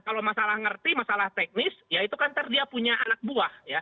kalau masalah ngerti masalah teknis ya itu kan dia punya anak buah ya